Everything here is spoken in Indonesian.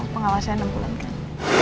pengawasan enam bulan kan